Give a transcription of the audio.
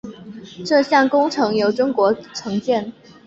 这项工程由中国承建。